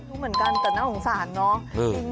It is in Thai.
รู้เหมือนกันแต่น่าสงสารเนาะ